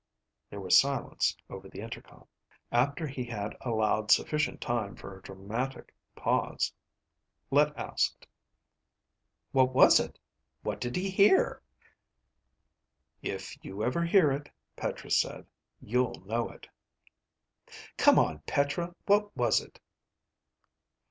There was silence over the intercom. After he had allowed sufficient time for a dramatic pause, Let asked, "What was it? What did he hear?" "If you ever hear it," Petra said, "you'll know it." "Come on, Petra, what was it?"